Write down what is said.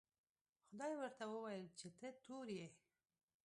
خدای ورته وویل چې ته تور یې.